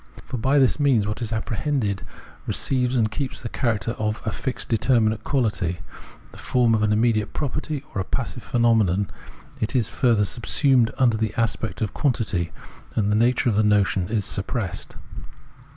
For by this means what is apprehended receives and keeps the character of a fixed determinate quahty, the form of an immediate property or a passive phenomenon ; it is, further, subsumed under the aspect of quantity, and the nature of the notion is suppressed.